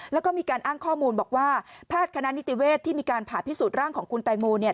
แล้วก็มีการอ้างข้อมูลบอกว่าแพทย์คณะนิติเวศที่มีการผ่าพิสูจนร่างของคุณแตงโมเนี่ย